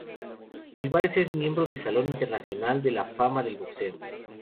Olivares es miembro de Salón Internacional de la Fama del Boxeo.